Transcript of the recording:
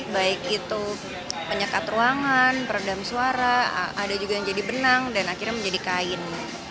baik itu penyekat ruangan peredam suara ada juga yang jadi benang dan akhirnya menjadi kain